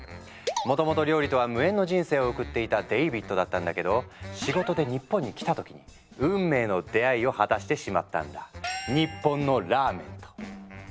もともと料理とは無縁の人生を送っていたデイビッドだったんだけど仕事で日本に来た時に運命の出会いを果たしてしまったんだ日本のラーメンと。